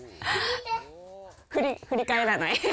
振り返らない。